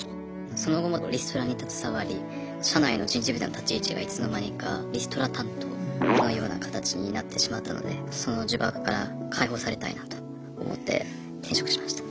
その後もリストラに携わり社内の人事部での立ち位置がいつの間にかリストラ担当のような形になってしまったのでその呪縛から解放されたいなと思って転職しました。